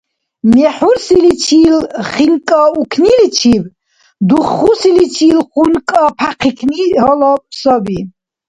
МехӀурсиличил хинкӀа укниличиб, духусиличил хункӀа пяхъикӀни гьалаб саби.